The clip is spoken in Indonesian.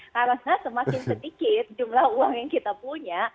karena semakin sedikit jumlah uang yang kita punya